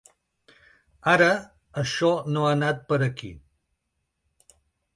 Ara, això no ha anat per aquí.